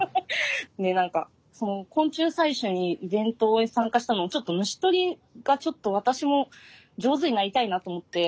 で何かその昆虫採集にイベントに参加したのもちょっと虫捕りがちょっと私も上手になりたいなと思って。